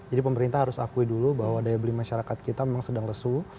jadi pemerintah harus akui dulu bahwa daya beli masyarakat kita memang sedang tersisa